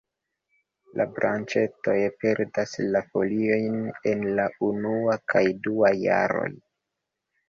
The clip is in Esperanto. La branĉetoj perdas la foliojn en la unua kaj dua jaroj.